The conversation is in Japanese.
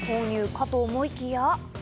かと思いきや。